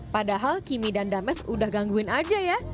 padahal kimmy dan dames udah gangguin aja ya